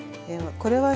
これはね